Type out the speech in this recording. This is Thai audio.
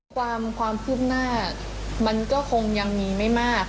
ความคืบหน้ามันก็คงยังมีไม่มาก